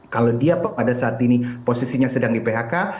kalau dia pada saat ini posisinya sedang di phk